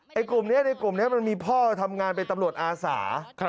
ในกลุ่มนี้มันมีพ่อทำงานเป็นตำรวจอาสา